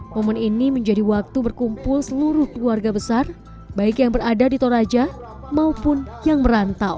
momen ini menjadi waktu berkumpul seluruh keluarga besar baik yang berada di toraja maupun yang merantau